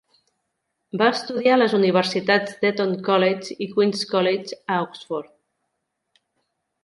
Va estudiar a les universitat d'Eton College i Queen's College, a Oxford.